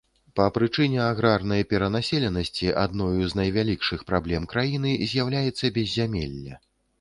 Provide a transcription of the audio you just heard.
Па прычыне аграрнай перанаселенасці адною з найвялікшых праблем краіны з'яўляецца беззямелле.